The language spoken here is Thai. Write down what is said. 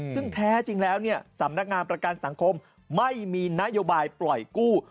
ซึ่งแท้จริงแล้วสำนักงานประกันสังคมไม่มีนโยบายปล่อยกู้